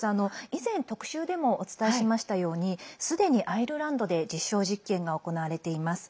以前、特集でもお伝えしましたようにすでにアイルランドで実証実験が行われています。